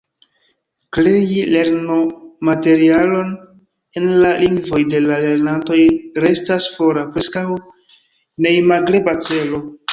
Krei lernomaterialon en la lingvoj de la lernantoj restas fora, preskaŭ neimagebla celo.